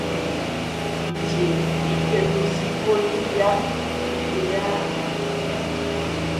Nkye i kɛ to sikoli yam i ɓeyaa.